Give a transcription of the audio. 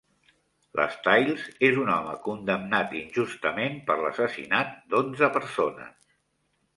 L'Stiles és un home condemnat injustament per l'assassinat d'onze persones.